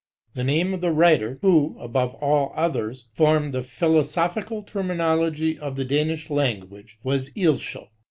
The name of the writer who, above all others, formed the philosophical terminology of the Danish language, was Eilschow.